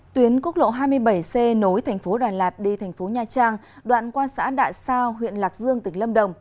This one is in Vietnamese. tuyến quốc lộ hai mươi bảy c nối thành phố đà lạt đi thành phố nha trang đoạn qua xã đại sao huyện lạc dương tỉnh lâm đồng